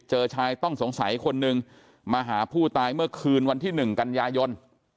ชายต้องสงสัยคนหนึ่งมาหาผู้ตายเมื่อคืนวันที่๑กันยายน